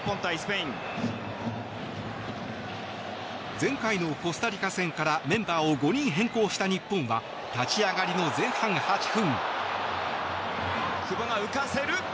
前回のコスタリカ戦からメンバーを５人変更した日本は立ち上がりの前半８分。